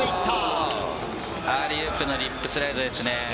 アーリーウープのリップスライドですね。